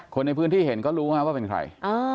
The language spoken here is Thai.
คนในพื้นที่เห็นก็รู้ว่าเป็นใคร